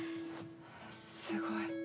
すごい。